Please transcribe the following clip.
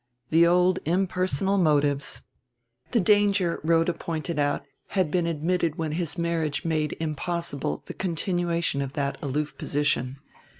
The old impersonal motives! The danger, Rhoda pointed out, had been admitted when his marriage made impossible the continuation of that aloof position.